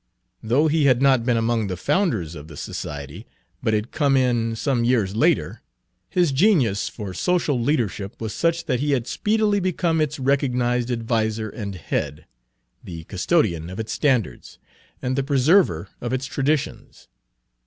Though he had not been among the founders of the society, but had come in some years later, his genius for social leadership was such that he had speedily become its recognized adviser and head, the custodian of its standards, and the preserver of its traditions.